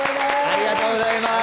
ありがとうございます！